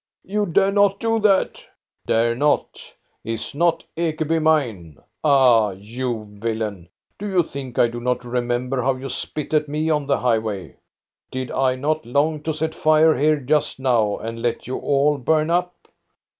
" You dare not do that." " Dare not ! Is not Ekeby mine ? Ah, you villain ! Do you think I do not remember how you spit at me on the highway? Did I not long to set fire here just now and let you all burn up